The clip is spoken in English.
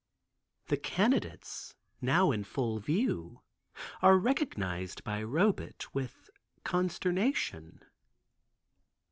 The candidates, now in full view, are recognized by Robet with consternation.